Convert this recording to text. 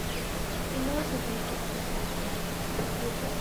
Below is a basic method of tying.